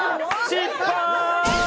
失敗！